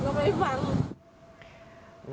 เขาบอกว่าให้เอาเอกสารให้เขาก่อนก็ไม่ฟัง